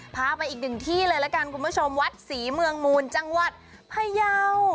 พาไปอีกหนึ่งที่เลยละกันคุณผู้ชมวัดศรีเมืองมูลจังหวัดพยาว